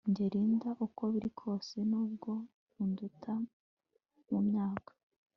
Njye Linda uko biri kose nubwo unduta mu myaka